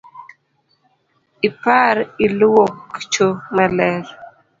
Ipar iluok cho maler.